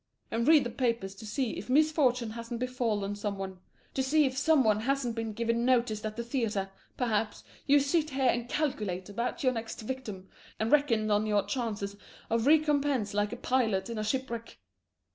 and read the papers to see if misfortune hasn't befallen some one, to see if some one hasn't been given notice at the theatre, perhaps; you sit here and calculate about your next victim and reckon on your chances of recompense like a pilot in a shipwreck.